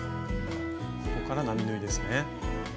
ここから並縫いですね。